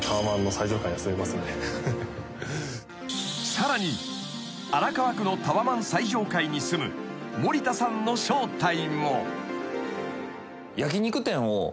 ［さらに荒川区のタワマン最上階に住む森田さんの正体も］